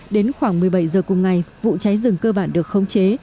đến khoảng một mươi bảy h cùng ngày vụ cháy rừng cơ bản được khống chế